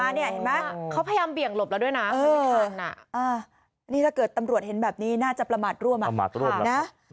นี่ถ้าเกิดตำรวจเห็นแบบนี้น่าจะประมาทร่วมค่ะ